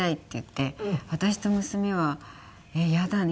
私と娘は「えっ嫌だよね」